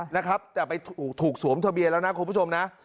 นะครับแต่ไปถูกสวมทะเบียนแล้วนะคุณผู้ชมนะ